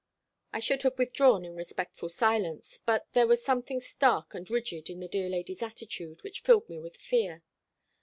I should have withdrawn in respectful silence, but there was something stark and rigid in the dear lady's attitude which filled me with fear.